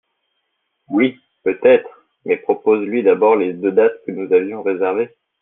Oui, peut-être mais propose lui d’abord les deux dates que nous avions réservées.